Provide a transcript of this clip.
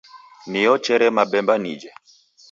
Niochere mabemba nije.